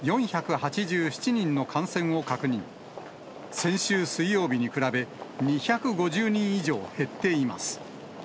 先週水曜日に比べ、２５０人以上減っています。